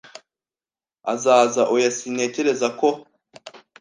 "Azaza?" "Oya, sintekereza ko."